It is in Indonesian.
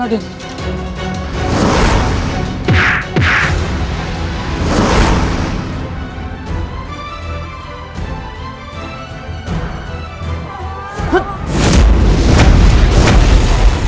raden apa yang kau lakukan